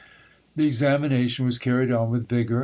The examination was carried on with vigour.